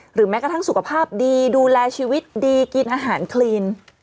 แม้กระทั่งสุขภาพดีดูแลชีวิตดีกินอาหารคลีน